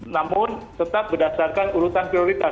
namun tetap berdasarkan urutan prioritas